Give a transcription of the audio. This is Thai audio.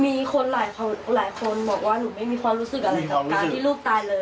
มีคนหลายคนบอกว่าหนูไม่มีความรู้สึกอะไรกับการที่ลูกตายเลย